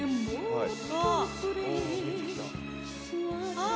あっ！